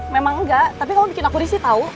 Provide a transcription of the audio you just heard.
memang enggak tapi kamu bikin aku risih tau